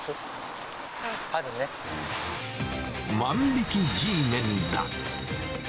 万引きＧメンだ。